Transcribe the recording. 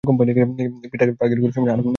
Peter পার্কারগিরি করার পরে আর সময় পাই না।